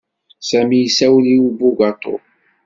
Sami issawel i bugaṭu.